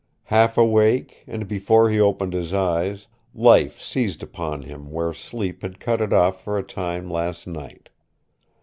Half awake, and before he opened his eyes, life seized upon him where sleep had cut it off for a time last night.